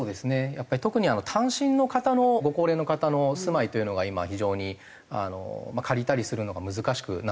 やっぱり特に単身の方のご高齢の方のお住まいというのが今非常に借りたりするのが難しくなってしまっていてですね。